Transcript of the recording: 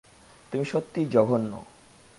তুমি সত্যিই জঘন্য।